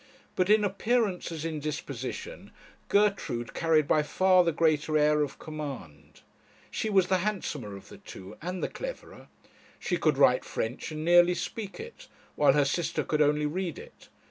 But in appearance, as in disposition, Gertrude carried by far the greater air of command. She was the handsomer of the two, and the cleverer. She could write French and nearly speak it, while her sister could only read it.